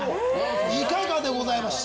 いかがでございました？